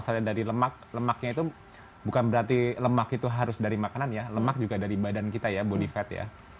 misalnya dari lemak lemaknya itu bukan berarti lemak itu harus dari makanan ya lemak juga dari badan kita ya body fat ya